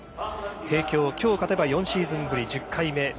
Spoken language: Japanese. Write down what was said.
帝京、きょう、勝てば４シーズンぶり１０回目。